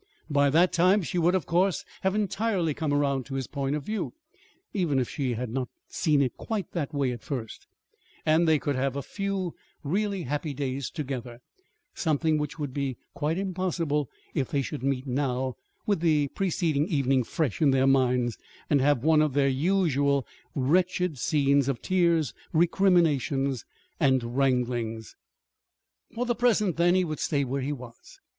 By that time she would, of course, have entirely come around to his point of view (even if she had not seen it quite that way at first), and they could have a few really happy days together something which would be quite impossible if they should meet now, with the preceding evening fresh in their minds, and have one of their usual wretched scenes of tears, recriminations, and wranglings. For the present, then, he would stay where he was.